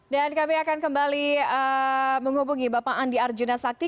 dan kami akan kembali menghubungi bapak andi arjuna sakti